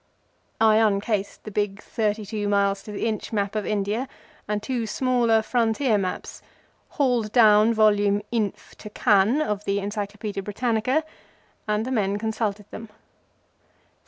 I uncased the big thirty two miles to the inch map of India, and two smaller Frontier maps, hauled down volume INF KAN of the Encyclopædia Britannica, and the men consulted them.